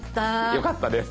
よかったです。